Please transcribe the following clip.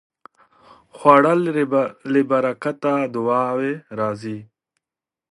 خوړل له برکته دعاوې راځي